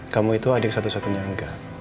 kamu itu adik satu satunya angga